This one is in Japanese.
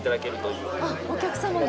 あっお客様が。